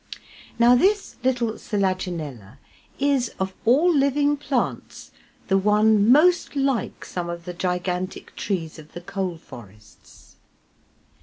Now this little Selaginella is of all living plants the one most like some of the gigantic trees of the coal forests.